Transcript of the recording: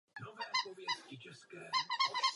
Po jeho stranách jsou stojící postavy jedenácti apoštolů.